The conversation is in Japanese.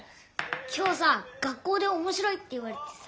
今日さ学校でおもしろいって言われてさ。